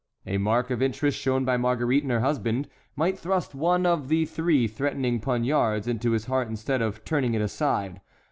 A mark of interest shown by Marguerite in her husband might thrust one of the three threatening poniards into his heart instead of turning it aside.